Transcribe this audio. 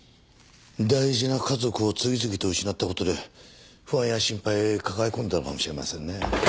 大事な家族を次々と失った事で不安や心配を抱え込んだのかもしれませんね。